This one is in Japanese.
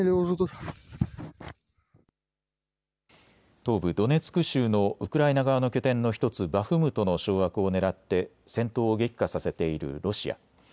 東部ドネツク州のウクライナ側の拠点の１つバフムトの掌握をねらって戦闘を激化させているロシア。